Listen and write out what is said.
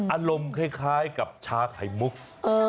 อารมณ์คล้ายกับชาไข่มุก